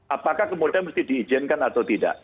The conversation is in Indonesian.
apakah kemudian mesti diizinkan atau tidak